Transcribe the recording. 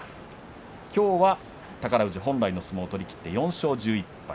きょうは宝富士、本来の相撲を取りきって４勝１１敗。